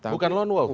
bukan lone wolf ya